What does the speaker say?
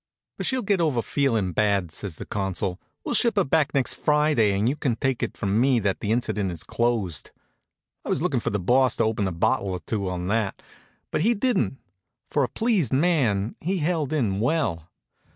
"But she'll get over feeling bad," says the Consul. "We'll ship her back next Friday, and you can take it from me that the incident is closed." I was lookin' for the Boss to open a bottle or two on that. But he didn't. For a pleased man he held in well.